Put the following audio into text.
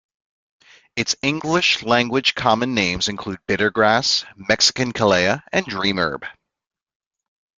Its English language common names include bitter-grass, Mexican calea, and dream herb.